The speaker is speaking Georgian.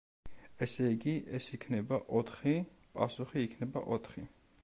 ესე იგი, ეს იქნება ოთხი. პასუხი იქნება ოთხი.